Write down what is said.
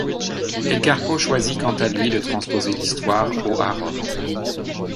Edgar Poe choisit, quant à lui, de transposer l'histoire au à Rome.